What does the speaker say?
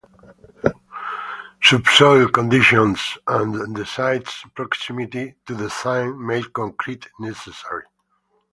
Subsoil conditions and the site's proximity to the Seine made concrete necessary.